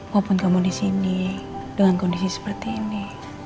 walaupun kamu di sini dengan kondisi seperti ini